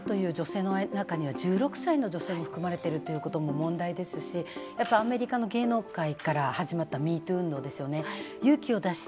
合意の上と故という女性の中には１６歳の女性も含まれているということも問題ですし、アメリカの芸能界から始まった「＃ＭｅＴｏｏ」運動ですよね。